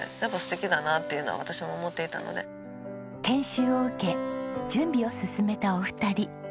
研修を受け準備を進めたお二人。